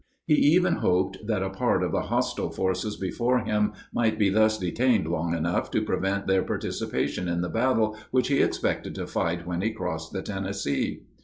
He even hoped that a part of the hostile forces before him might be thus detained long enough to prevent their participation in the battle which he expected to fight when he crossed the Tennessee.